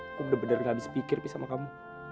aku udah bener bener gak bisa pikir pi sama kamu